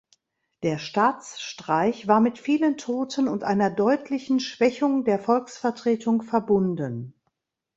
Der Staatsstreich war mit vielen Toten und einer deutlichen Schwächung der Volksvertretung verbunden.